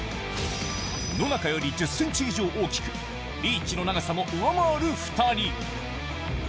野中より１０センチ以上大きく、リーチの長さも上回る２人。